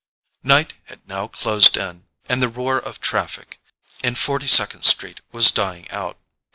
Night had now closed in, and the roar of traffic in Forty second Street was dying out.